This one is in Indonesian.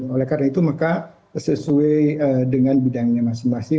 oleh karena itu maka sesuai dengan bidangnya masing masing